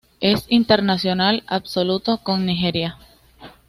Es internacional absoluto con Nigeria.